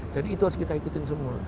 jadi itu harus kita ikutin semua